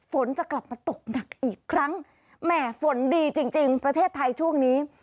ฝนจะกลับมาตกหนักอีกครั้งแหม่ฝนดีจริงจริงประเทศไทยช่วงนี้